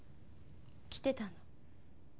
来てたのね。